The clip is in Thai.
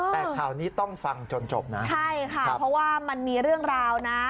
แต่ข่าวนี้ต้องฟังจนจบนะใช่ค่ะเพราะว่ามันมีเรื่องราวนะ